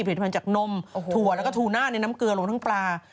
ผลิตภัณฑ์จากนมถั่วแล้วก็ทูน่าในน้ำเกลือรวมทั้งปลา